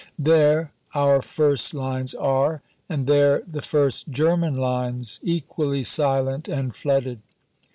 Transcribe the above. There, our first lines are; and there, the first German lines, equally silent and flooded.